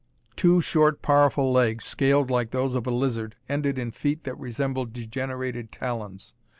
Two short powerful legs, scaled like those of a lizard, ended in feet that resembled degenerated talons.